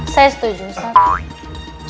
saya setuju ustadz